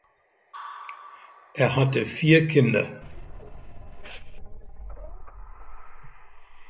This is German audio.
Er hatte vier Kinder.